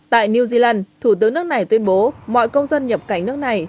tại new zealand thủ tướng nước này tuyên bố mọi công dân nhập cảnh nước này